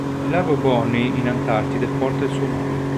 Il lago Bonney in Antartide porta il suo nome.